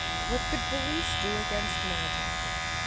What could police do against magic?